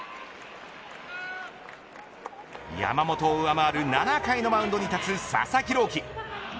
山本を上回る７回のマウンドに立つ佐々木朗希。